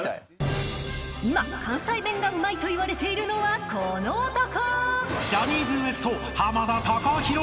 ［今関西弁がうまいといわれているのはこの男］